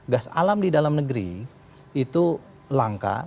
gas alam di dalam negeri itu langka